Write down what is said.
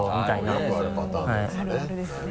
よくあるパターンのやつだね。